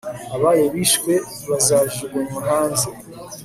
abayo bishwe bazajugunywa hanze